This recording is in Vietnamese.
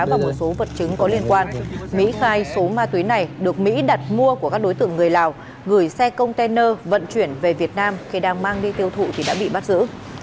và một số vật chứng có liên quan mỹ khai số ma túy này được mỹ đặt mua của các đối tượng người lào gửi xe container vận chuyển về việt nam khi đang mang đi tiêu thụ thì đã bị bắt giữ